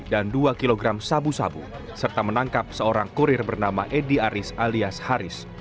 dan dua kg sabu sabu serta menangkap seorang kurir bernama edy aris alias haris